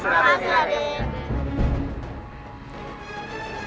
terima kasih adit